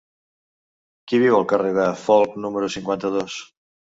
Qui viu al carrer de Folc número cinquanta-dos?